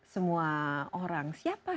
semua orang siapa